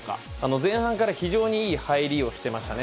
前半から非常にいい入りをしてましたね。